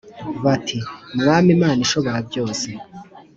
bati “Mwami Imana Ishoborabyose,